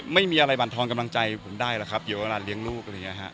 ไม่มีอะไรบรรทอนกำลังใจผมได้หรอกครับเดี๋ยวเวลาเลี้ยงลูกอะไรอย่างนี้ฮะ